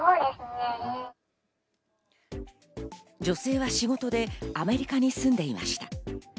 女性は仕事でアメリカに住んでいました。